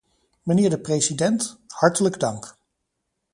Mijnheer de president, hartelijk dank.